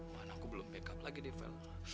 mana aku belum backup lagi nih file